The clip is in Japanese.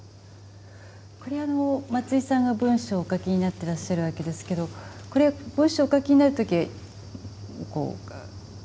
これ松居さんが文章をお書きになってらっしゃるわけですけどこれ文章をお書きになる時こう。